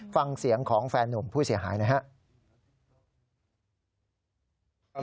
ฟังเสียงของแฟนหนุ่มผู้เสียหายหน่อยครับ